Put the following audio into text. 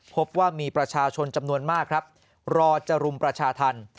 พบว่ามีประชาชนจำนวนมากครับรอจะรุมประชาธรรม